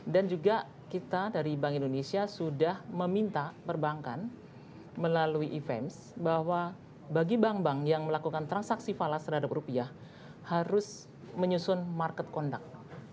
dan juga kita dari bank indonesia sudah meminta perbankan melalui ifems bahwa bagi bank bank yang melakukan transaksi falas terhadap rupiah harus menyusun market conduct